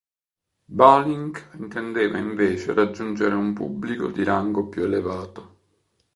Balink intendeva invece raggiungere un pubblico di rango più elevato.